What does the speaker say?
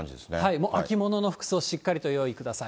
もう秋物の服装、しっかりとご用意ください。